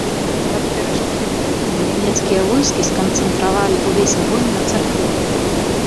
Каб перашкодзіць гэтаму, нямецкія войскі сканцэнтравалі ўвесь агонь на царкве.